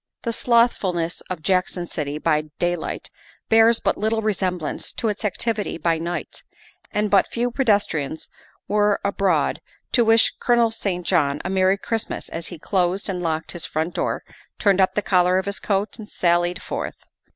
The slothfulness of Jackson City by daylight bears but little resemblance to its activity by night, and but few pedestrians were abroad to wish Colonel St. John a Merry Christmas as he closed and locked his front door, turned up the collar of his coat, and sallied forth.